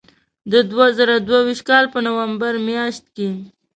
د دوه زره دوه ویشت کال په نومبر میاشت کې.